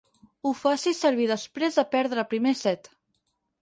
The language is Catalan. Ho facis servir després de perdre el primer set.